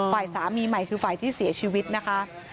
ฝ่ายสามีใหม่คือฝ่ายที่เสียชีวิตนะคะ